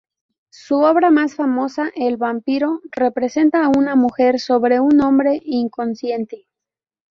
Su obra más famosa, "El Vampiro", representa a una mujer sobre un hombre inconsciente.